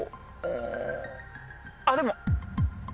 んあっでも。